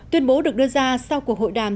tuyên bố được đưa ra sau cuộc hội đàm